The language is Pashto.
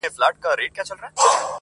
څو تر څو به دوې هواوي او یو بام وي,